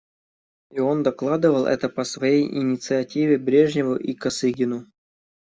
И он докладывал это по своей инициативе Брежневу и Косыгину.